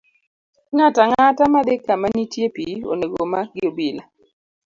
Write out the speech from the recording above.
Ng'ato ang'ata madhi kama nitie pi, onego omak gi obila.